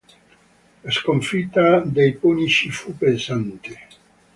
La sconfitta dei punici fu pesante.